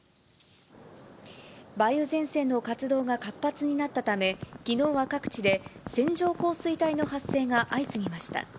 梅雨前線の活動が活発になったため、きのうは各地で線状降水帯の発生が相次ぎました。